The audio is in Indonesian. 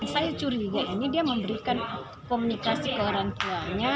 saya curiga ini dia memberikan komunikasi ke orang tuanya